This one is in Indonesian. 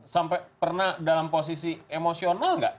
sampai pernah dalam posisi emosional nggak